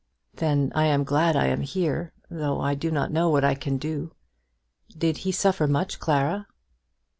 "Then I am glad I am here, though I do not know what I can do. Did he suffer much, Clara?"